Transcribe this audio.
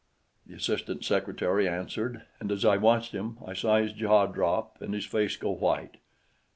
The assistant secretary answered, and as I watched him, I saw his jaw drop and his face go white.